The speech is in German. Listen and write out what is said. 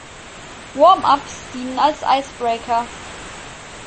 Warm-ups dienen als Icebreaker.